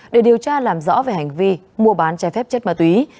để điều tra làm rõ về hành vi mua bán trái phép chất ma túy